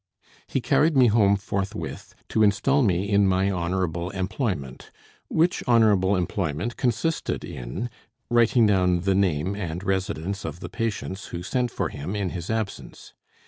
He carried me home forthwith, to install me in my honorable employment; which honorable employment consisted in writing down the name and residence of the patients who sent for him in his absence.